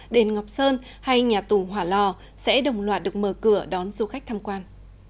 đền ngọc sơn hay nhà tù hỏa lò sẽ đồng loạt được mở cửa đón du khách tham quan